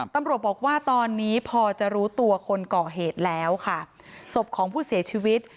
ตำรวจบอกว่าตอนนี้พอจะรู้ตัวคนก่อเหตุแล้วค่ะศพของผู้เสียชีวิต